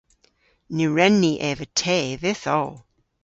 Ny wren ni eva te vyth oll.